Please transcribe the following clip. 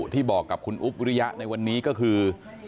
ที่บอกกับคุณอุ๊บวิริยะในวันนี้ก็คือ